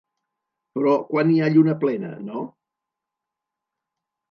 Però quan hi ha lluna plena, no?